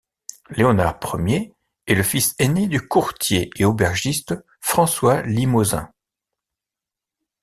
Léonard I est le fils aîné du courtier et aubergiste François Limosin.